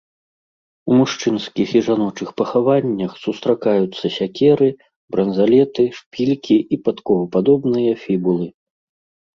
У мужчынскіх і жаночых пахаваннях сустракаюцца сякеры, бранзалеты, шпількі і падковападобныя фібулы.